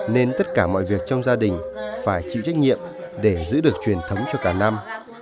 nên tất cả mọi việc trong gia đình phải chịu trách nhiệm để giữ được truyền thống cho cả năm